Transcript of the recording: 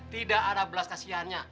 tidak ada belas kasihan nya